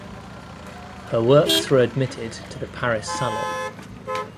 Her works were admitted to the Paris Salon.